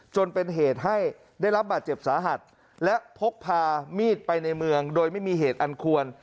จนเป็นเหตุให้ได้รับบาดเจ็บสาหัสและพกพามีดไปในเมืองโดยไม่มีเหตุอันควร